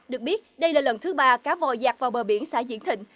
được biết đây là lần thứ ba cá vò giạt vào bờ biển xã diễn thịnh